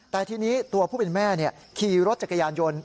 แต่ทีนี้ตัวผู้เป็นแม่ขี่รถจักรยานยนต์